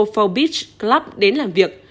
for beach club đến làm việc